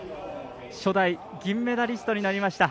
初代銀メダリストになりました。